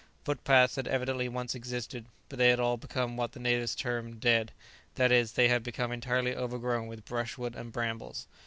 Footpaths had evidently once existed, but they had all become what the natives term "dead," that is, they had become entirely overgrown with brushwood and brambles.